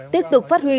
tiếp tục phát huy